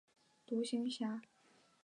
独行侠。